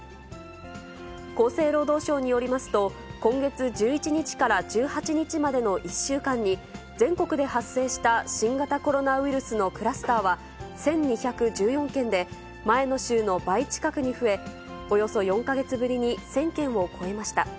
厚生労働省によりますと、今月１１日から１８日までの１週間に、全国で発生した新型コロナウイルスのクラスターは１２１４件で、前の週の倍近くに増え、およそ４か月ぶりに１０００件を超えました。